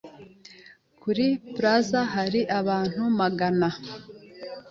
Muri plaza hari abantu magana.